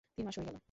তিন মাস হয়ে গেল।